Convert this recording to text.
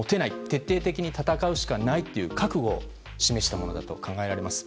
徹底的に戦うしかないという覚悟を示したものだと考えられます。